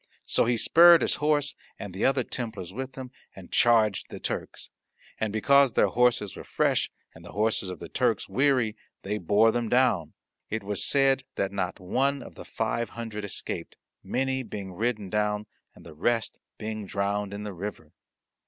So he spurred his horse, and the other Templars with him, and charged the Turks. And because their horses were fresh and the horses of the Turks weary, they bore them down. It was said that not one of the five hundred escaped, many being ridden down, and the rest being drowned in the river.